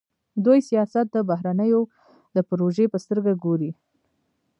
دوی سیاست د بهرنیو د پروژې په سترګه ګوري.